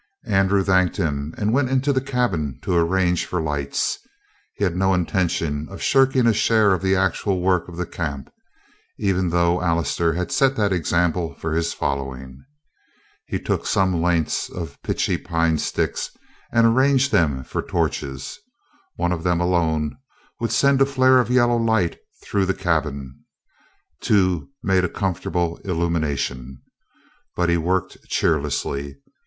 Andrew thanked him and went into the cabin to arrange for lights. He had no intention of shirking a share in the actual work of the camp; even though Allister had set that example for his following. He took some lengths of pitchy pine sticks and arranged them for torches. One of them alone would send a flare of yellow light through the cabin; two made a comfortable illumination. But he worked cheerlessly.